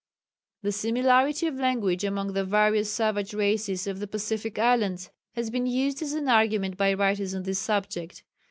The similarity of language among the various savages races of the Pacific islands has been used as an argument by writers on this subject.